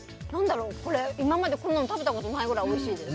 今までこんなの食べたことないぐらいおいしいです。